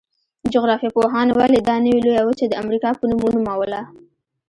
جغرافیه پوهانو ولې دا نوي لویه وچه د امریکا په نوم ونوموله؟